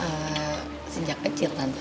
ehm sejak kecil tante